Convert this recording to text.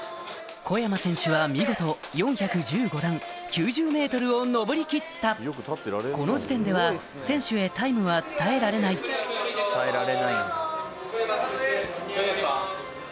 ・小山選手は見事４１５段９０ｍを上り切ったこの時点では選手へタイムは伝えられない・大丈夫ですか？